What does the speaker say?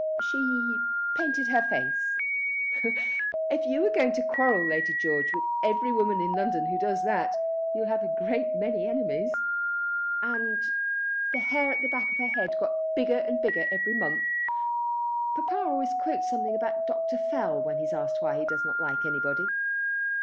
"She painted her face." "If you're going to quarrel, Lady George, with every woman in London who does that, you'll have a great many enemies." "And the hair at the back of her head got bigger and bigger every month. Papa always quotes something about Dr. Fell when he's asked why he does not like anybody.